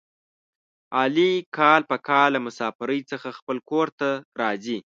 علي کال په کال له مسافرۍ څخه خپل کورته راځي.